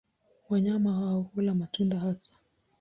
Wanyama hao hula matunda hasa.